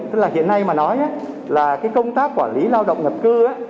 thế là hiện nay mà nói là công tác quản lý lao động nhập cư